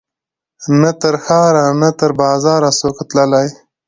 نه تر ښار نه تر بازاره سو څوک تللای